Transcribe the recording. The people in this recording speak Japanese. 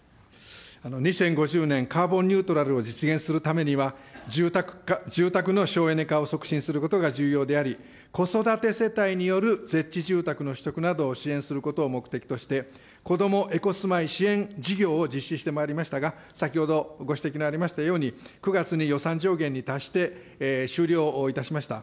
２０５０年、カーボンニュートラルを実現するためには、住宅の省エネ化を促進することが重要であり、子育て世帯によるゼッチ住宅の取得などを支援することを目的として、こどもエコすまい支援事業を実施してまいりましたが、先ほど、ご指摘のありましたように、９月に予算上限に達して終了いたしました。